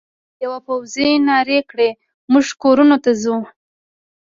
یوه پوځي نارې کړې: موږ کورونو ته ځو.